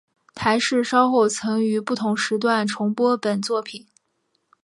台视稍后曾于不同时段重播本作品。